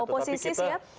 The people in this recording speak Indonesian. oh posisi siap